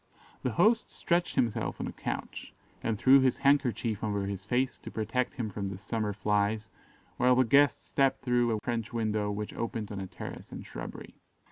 The host stretched himself on a couch, and threw his handkerchief over his face to protect him from the summer flies, while the guest stepped through a French window which opened on a terrace and shrubbery.